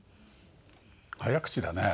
早口だね。